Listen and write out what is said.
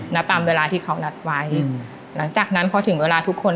ณตามเวลาที่เขานัดไว้หลังจากนั้นพอถึงเวลาทุกคน